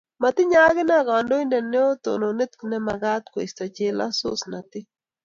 Matinye akine kandoindet neo tononet nemakat koisto chelososnatet